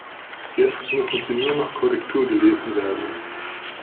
Jetzt müssen sie nur noch Korrektur gelesen werden.